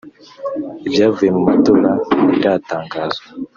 Ibyavuye mu matora ntibiratangazwa